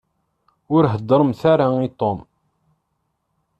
Ur heddṛemt ara i Tom.